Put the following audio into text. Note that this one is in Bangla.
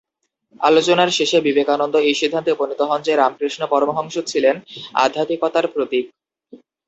আলোচনার শেষে বিবেকানন্দ এই সিদ্ধান্তে উপনীত হন যে, রামকৃষ্ণ পরমহংস ছিলেন আধ্যাত্মিকতার প্রতীক।